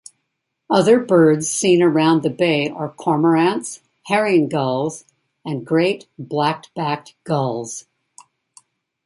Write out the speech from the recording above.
Other birds seen around the bay are cormorants, herring gulls and great black-backed gulls.